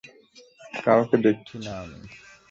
কাউকে দেখছি না আমি।